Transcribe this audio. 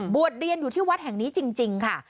เรียนอยู่ที่วัดแห่งนี้จริงค่ะ